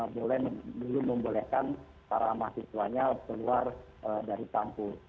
belum membolehkan para mahasiswanya keluar dari kampus